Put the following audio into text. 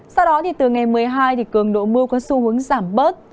sau đó từ ngày một mươi hai cường độ mưa có xu hướng giảm bớt